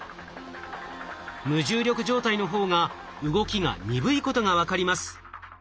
無重力状態の方が動きが鈍いことが分かります。